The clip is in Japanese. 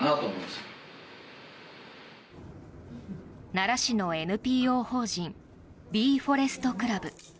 奈良市のＮＰＯ法人ビーフォレスト・クラブ。